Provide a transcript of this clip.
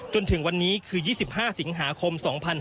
จนถึงวันนี้คือ๒๕สิงหาคม๒๕๕๙